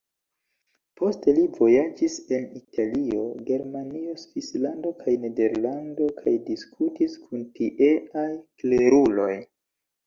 Poste li vojaĝis en Italio, Germanio, Svislando kaj Nederlando kaj diskutis kun tieaj kleruloj.